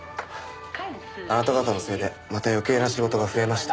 あなた方のせいでまた余計な仕事が増えました。